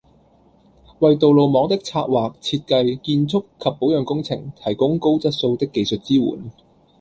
為道路網的策劃、設計、建築及保養工程，提供高質素的技術支援